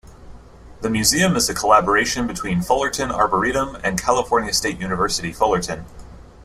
The museum is a collaboration between Fullerton Arboretum and California State University Fullerton.